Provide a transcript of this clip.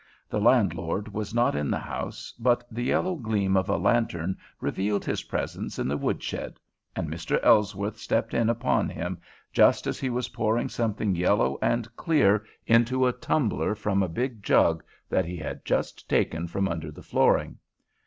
The landlord was not in the house, but the yellow gleam of a lantern revealed his presence in the woodshed, and Mr. Ellsworth stepped in upon him just as he was pouring something yellow and clear into a tumbler from a big jug that he had just taken from under the flooring.